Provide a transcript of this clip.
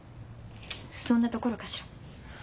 そんなところかしら？